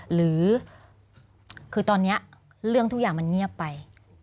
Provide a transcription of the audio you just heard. หรือคือตอนนี้เรื่องทุกอย่างมันเงียบไป